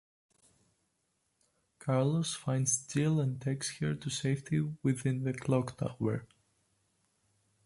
Carlos finds Jill and takes her to safety within the Clock Tower.